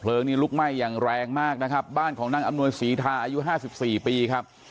เพลิงนี้ลุกไหม้อย่างแรงมากนะครับบ้านของนั่งอำนวยศรีทาอายุ๕๔ปีครับ